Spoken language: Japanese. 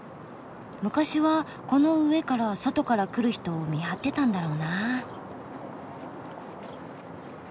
昔はこの上から外から来る人を見張ってたんだろうな。